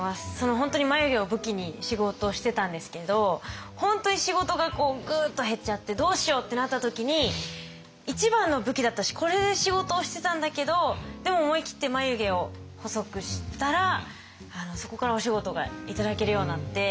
本当に眉毛を武器に仕事してたんですけど本当に仕事がグーッと減っちゃってどうしようってなった時に一番の武器だったしこれで仕事をしてたんだけどでも思い切って眉毛を細くしたらそこからお仕事が頂けるようになって。